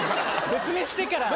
説明してから。